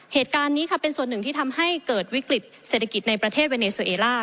เหตุการณ์นี้ค่ะเป็นส่วนหนึ่งที่ทำให้เกิดวิกฤตเศรษฐกิจในประเทศเวเนโซเอล่า